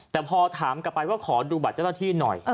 แต่พอถามกลับไปว่าขอดูบัตรเจ้าหน้าที่หน่อย